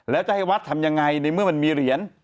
แล้วจะให้วัดทำยังไงในเมื่อมันมีเหรียญ